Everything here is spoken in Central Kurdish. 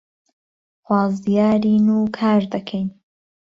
خوازیارین و کار دەکەین